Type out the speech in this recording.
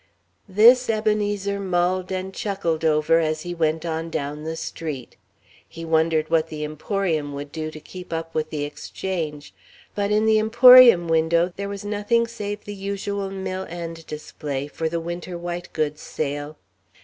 This Ebenezer mulled and chuckled over as he went on down the street. He wondered what the Emporium would do to keep up with the Exchange. But in the Emporium window there was nothing save the usual mill end display for the winter white goods sale.